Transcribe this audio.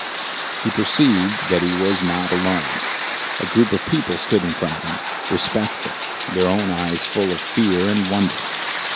He perceived that he was not alone. A group of people stood in front of him, respectful, their own eyes full of fear and wonder.